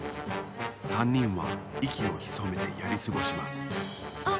３にんはいきをひそめてやりすごしますあっ